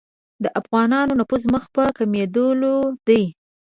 د افغانانو نفوذ مخ په کمېدلو دی.